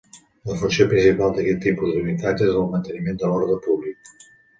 La funció principal d'aquest tipus d'unitats és el manteniment de l'ordre públic.